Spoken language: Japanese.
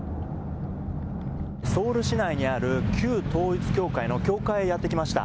ソウル市内にある旧統一教会の教会にやって来ました。